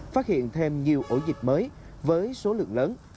phát hiện thêm nhiều ổ dịch mới với số lượng lớn